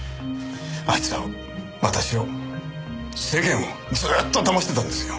あいつは私を世間をずっと騙してたんですよ。